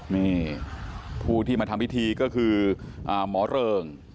นี่ผู้ที่มาทำพิธีก็คือหมอเริง